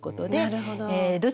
なるほど。